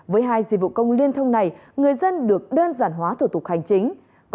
với hai dịch vụ công liên thông này người dân được đơn giản hóa thủ tục hành chính